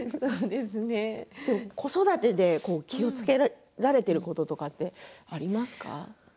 子育てで気をつけられていることとかありますか？